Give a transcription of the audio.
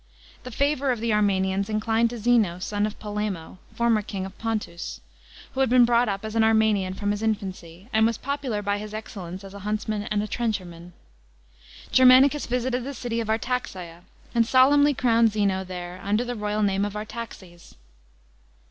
The favour of the Armenians inclined to Zeno, son of Polemo, former king of Pontus, who had been brought up as an Armenian from his inlancy, and was popular by his excellence as a huntsman and a trencherman. Germanicus visited the city of Artaxa'a, and solemnly crowned Zeno there under the royal name of Artaxes.